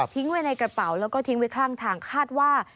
ไว้ในกระเป๋าแล้วก็ทิ้งไว้ข้างทางคาดว่า